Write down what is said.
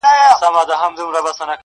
راوړي مزار ته خیام هر سړی خپل خپل حاجت.